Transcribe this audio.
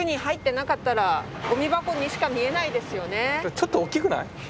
ちょっと大きくない？